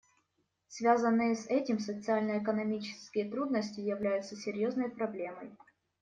Связанные с этим социально-экономические трудности являются серьезной проблемой.